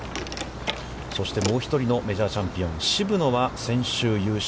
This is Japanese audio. そして、もう１人のメジャーチャンピオン渋野は、先週優勝。